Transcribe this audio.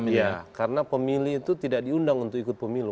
iya karena pemilih itu tidak diundang untuk ikut pemilu